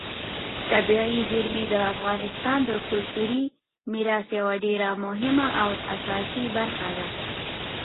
طبیعي زیرمې د افغانستان د کلتوري میراث یوه ډېره مهمه او اساسي برخه ده.